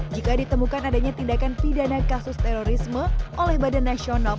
jika ditemukan adanya tindakan pidana kasus terorisme oleh badan nasional